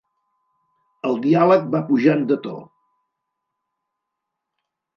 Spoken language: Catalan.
El diàleg va pujant de to.